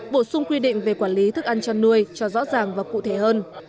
bổ sung quy định về quản lý thức ăn chăn nuôi cho rõ ràng và cụ thể hơn